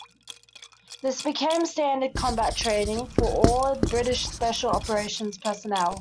This became standard combat training for all British Special Operations personnel.